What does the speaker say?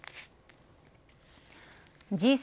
Ｇ７